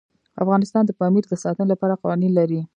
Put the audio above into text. افغانستان د پامیر د ساتنې لپاره قوانین لري.